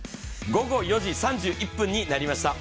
午後４時３１分になりました。